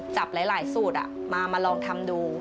จับหลายสูตรมาลองทำดู